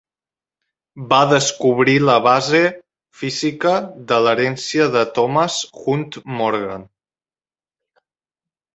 Va descobrir la base física de l'herència de Thomas Hunt Morgan.